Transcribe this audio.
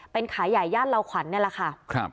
เป็นขายใหญ่ย่านเหล่าขวัญนี่แหละค่ะ